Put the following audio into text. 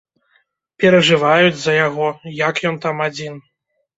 Перажываюць за яго, як ён там адзін.